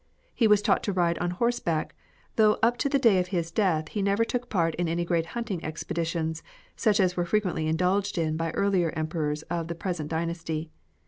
He was taught to ride on horseback, though up to the day of his death he never took part in any great hunting expeditions, such as were frequently indulged in by earlier emperors of the present dynasty.